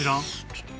ちょっと。